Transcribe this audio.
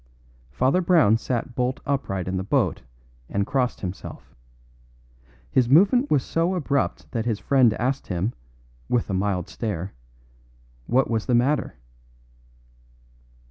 Father Brown sat bolt upright in the boat and crossed himself. His movement was so abrupt that his friend asked him, with a mild stare, what was the matter.